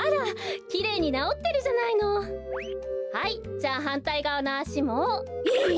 じゃはんたいがわのあしも。えっ？